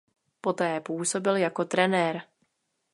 Poté působil jako trenér.